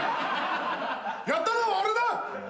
やったのは俺だ！